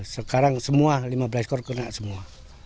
sekarang semua lima belas ekor kena semua